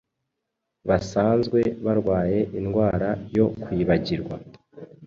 basanzwe barwaye indwara yo kwibagirwa